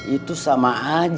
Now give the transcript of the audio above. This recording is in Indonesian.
itu sama aja